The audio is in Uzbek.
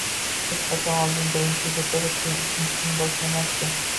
Hech qachon oldin birini bitirib, so'ng ikkinchisini boshlamasdi.